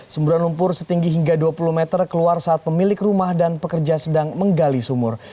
semburan lumpur setinggi hingga dua puluh meter keluar saat pemilik rumah dan pekerja sedang menggali sumur